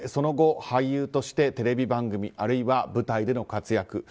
その後、俳優としてテレビ番組あるいは舞台での活躍。